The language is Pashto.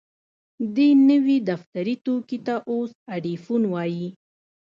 دې نوي دفتري توکي ته اوس ايډيفون وايي.